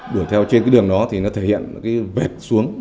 đuổi theo trên cái đường đó thì nó thể hiện vẹt xuống